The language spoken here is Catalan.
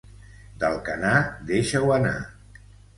D'Alcanar, deixa-ho anar.